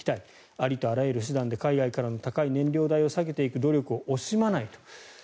ありとあらゆる手段で海外からの高い燃料代を下げていく努力を惜しまないと。